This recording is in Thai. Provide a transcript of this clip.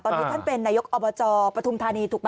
ตอนนี้ท่านเป็นนายกอบจปฐุมธานีถูกไหม